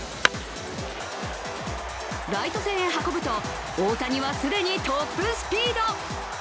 ライト線へ運ぶと、大谷は既にトップスピード。